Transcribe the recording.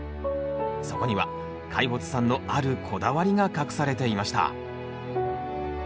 そこには開發さんのあるこだわりが隠されていました。